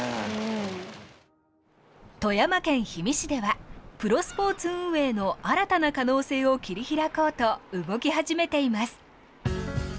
富山県氷見市ではプロスポーツ運営の新たな可能性を切り開こうと動き始めています。